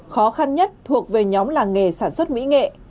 khó khăn nhất thuộc về nhóm làng nghề sản xuất mỹ nghệ